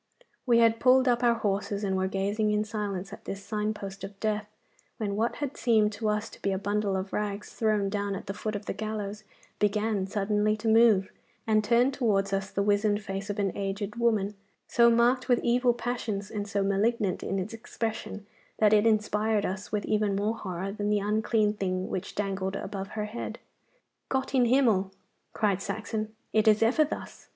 We had pulled up our horses, and were gazing in silence at this sign post of death, when what had seemed to us to be a bundle of rags thrown down at the foot of the gallows began suddenly to move, and turned towards us the wizened face of an aged woman, so marked with evil passions and so malignant in its expression that it inspired us with even more horror than the unclean thing which dangled above her head. 'Gott in Himmel!' cried Saxon, 'it is ever thus!